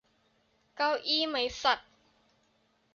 เก้าอี้มั้ยสัส !